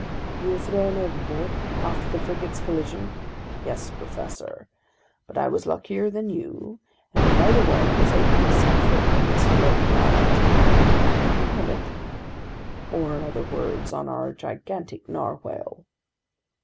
"You were thrown overboard after the frigate's collision?" "Yes, professor, but I was luckier than you, and right away I was able to set foot on this floating islet." "Islet?" "Or in other words, on our gigantic narwhale."